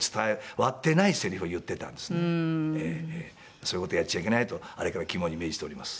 そういう事やっちゃいけないとあれから肝に銘じております。